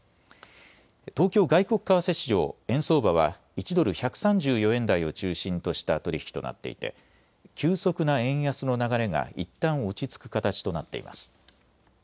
東京外国為替市場円相場は１ドル１３４円台を中心とした取り引きとなっていて急速な円安の流れがいったん落ち着く形となっています。